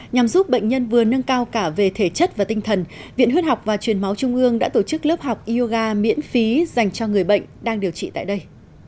nhằm giúp bệnh nhân vừa nâng cao cả về thể chất và tinh thần viện huyết học và truyền máu trung ương đã tổ chức lớp học yoga miễn phí dành cho người bệnh đang điều trị tại đây